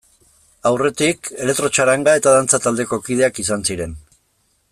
Aurretik, elektrotxaranga eta dantza taldeko kideak izan ziren.